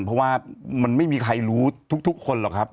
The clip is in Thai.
เพราะว่ามันไม่มีใครรู้ทุกคนหรอกครับ